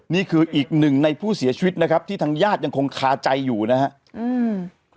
นี่คืออีกหนึ่งในผู้เสียชีวิตนะครับที่ทางญาติยังคงคาใจอยู่นะครับ